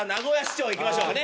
長いきましょうかね